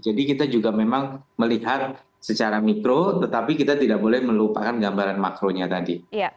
jadi kita juga memang melihat secara mikro tetapi kita tidak boleh melupakan gambaran makronya tadi